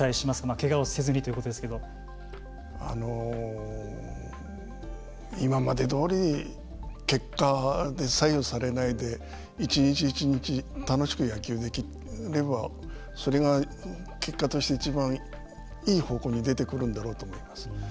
けがをせずに今までどおり結果で左右されないで一日一日楽しく野球ができればそれが結果としていちばんいい方向に出てくるんだろうと思います。